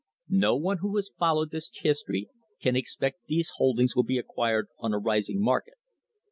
No one who has followed this history can expect these holdings will be acquired on a CONCLUSION rising market.